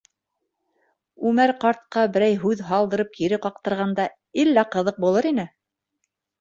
Үмәр ҡартҡа берәй һүҙ һалдырып кире ҡаҡтырғанда, иллә ҡыҙыҡ булыр ине.